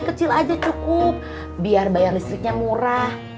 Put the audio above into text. kecil aja cukup biar bayar listriknya murah